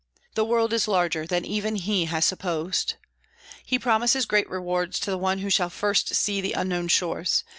The world is larger than even he has supposed. He promises great rewards to the one who shall first see the unknown shores.